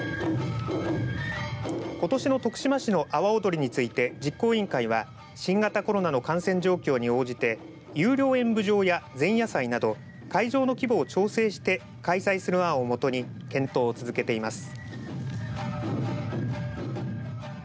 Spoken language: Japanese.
ことしの徳島市の阿波おどりについて実行委員会は新型コロナの感染状況に応じて有料演舞場や前夜祭など会場の規模を調整して開催する案をもとに検討を続けています。